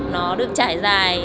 nó được trải dài